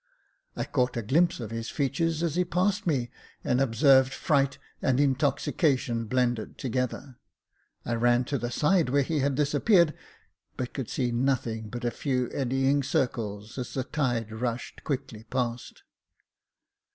I caught a glimpse of his features as he passed me, and observed fright and in toxication blended together. I ran to the side where he had disappeared, but could see nothing but a few eddying circles as the tide rushed quickly past.